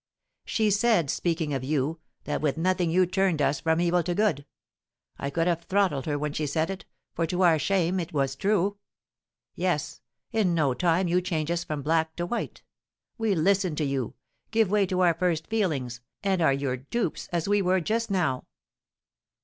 "She said, speaking of you, that with nothing you turned us from evil to good. I could have throttled her when she said it, for, to our shame, it was true. Yes, in no time you change us from black to white. We listen to you, give way to our first feelings, and are your dupes, as we were just now."